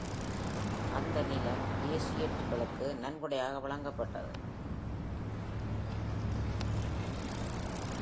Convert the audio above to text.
அந்த நிலம் ஜேசுயிட்டுகளுக்கு நன்கொடையாக வழங்கப்பட்டது.